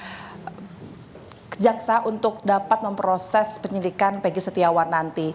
kejati juga menyiapkan enam kejaksa untuk dapat memproses penyidikan peggy setiawan